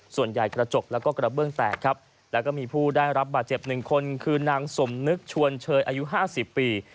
กระจกแล้วก็กระเบื้องแตกครับแล้วก็มีผู้ได้รับบาดเจ็บหนึ่งคนคือนางสมนึกชวนเชยอายุ๕๐ปี